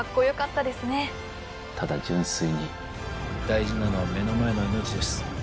ただ純粋に大事なのは目の前の命です